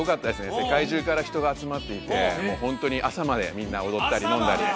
世界中から人が集まっていてホントに朝までみんな踊ったり飲んだり朝まで！